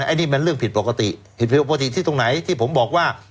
อันนี้มันเรื่องผิดปกติผิดปกติที่ตรงไหนที่ผมบอกว่า